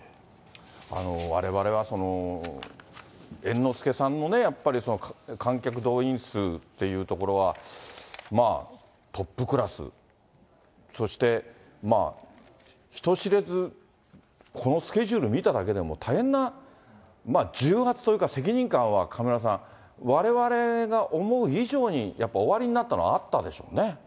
われわれは、猿之助さんのね、やっぱり、観客動員数というところは、トップクラス、そして人知れず、このスケジュール見ただけでも、大変な重圧というか、責任感は上村さん、われわれが思う以上に、やっぱおありになったのはあったでしょうね。